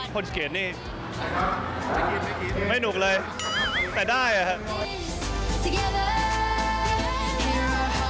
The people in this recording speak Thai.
พอตุเกรดนี่ไม่หนุกเลยแต่ได้อะ